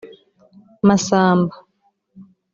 Massamba